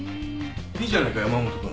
いいじゃないか山本君。